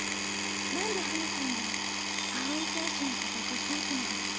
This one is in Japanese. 何で花さんが青井選手のことごひいきなのか。